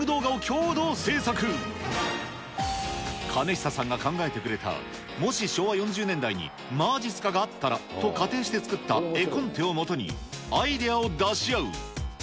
ひささんが考えてくれた、もし昭和４０年代にまじっすかがあったらと仮定して作った絵コンテをもとに、アイデアを出し合う。